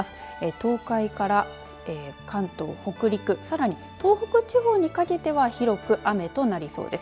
東海から関東、北陸、さらに東北地方にかけては広く雨となりそうです。